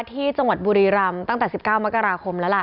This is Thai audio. ที่จังหวัดบุรีรำตั้งแต่๑๙มกราคมแล้วล่ะ